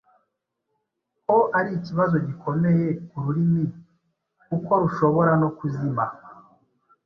ko ari ikibazo gikomeye ku rurimi kuko rushobora no kuzima.